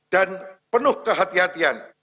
dan penuh kehati hatian